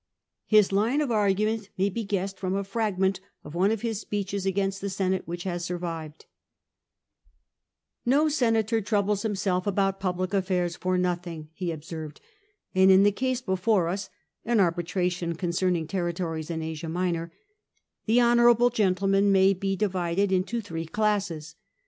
His line of argument may be guessed from a fragment of one of his speeches against the Senate which has survived :—" No senator troubles himself about public affairs for nothing,'' he observed, " and in the case before us (an arbitration concerning territories in Asia Minor) the honourable gentlemen may be divided into three classes.